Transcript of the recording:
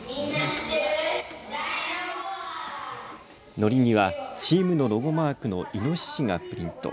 のりには、チームのロゴマークのイノシシがプリント。